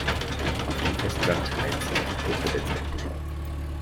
Auf dem Festland teilt sich die Gruppe letztendlich auf.